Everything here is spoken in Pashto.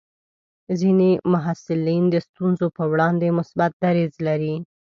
ځینې محصلین د ستونزو پر وړاندې مثبت دریځ لري.